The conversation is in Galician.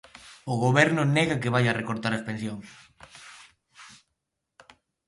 O Goberno nega que vaia recortar as pensións.